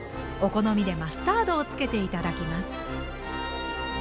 お好みでマスタードをつけて頂きます。